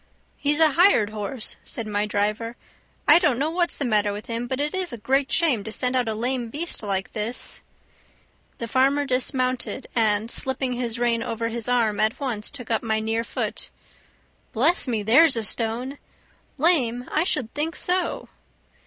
"He's a hired horse," said my driver. "I don't know what's the matter with him, but it is a great shame to send out a lame beast like this." The farmer dismounted, and slipping his rein over his arm at once took up my near foot. "Bless me, there's a stone! Lame! I should think so!"